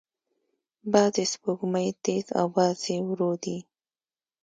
بعضې سپوږمۍ تیز او بعضې ورو دي.